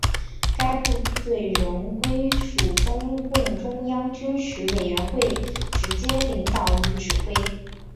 该部队仍归属中共中央军事委员会直接领导与指挥。